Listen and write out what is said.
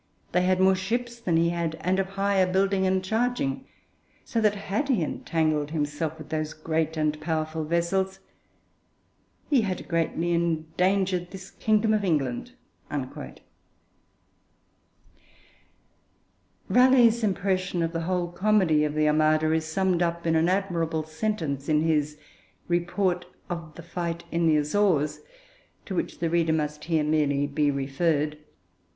They had more ships than he had, and of higher building and charging; so that, had he entangled himself with those great and powerful vessels, he had greatly endangered this kingdom of England. Raleigh's impression of the whole comedy of the Armada is summed up in an admirable sentence in his Report of the Fight in the Azores, to which the reader must here merely be referred.